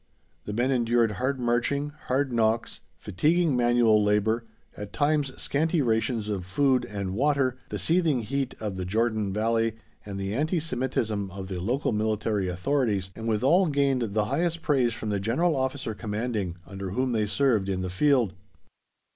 The men endured hard marching, hard knocks, fatiguing manual labour, at times scanty rations of food and water, the seething heat of the Jordan Valley and the anti Semitism of the local military authorities, and withal gained the highest praise from the General Officer Commanding under whom they served in the field.